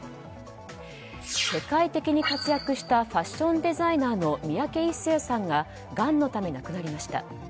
世界的に活躍したファッションデザイナーの三宅一生さんががんのため亡くなりました。